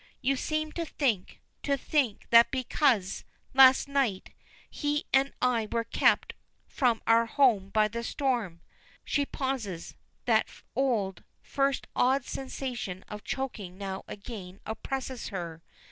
You seem to think to think that because last night he and I were kept from our home by the storm " She pauses; that old, first odd sensation of choking now again oppresses her.